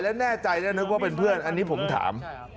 และแน่ใจแล้วนึกว่าเป็นเพื่อนอันนี้ผมถาม